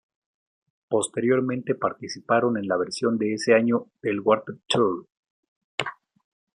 Posteriormente participaron en la versión de ese año del Warped Tour.